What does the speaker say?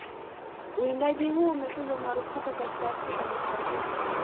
Uwindaji huu umepigwa marufuku katika Afrika Mashariki